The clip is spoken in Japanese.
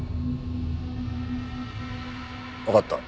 わかった。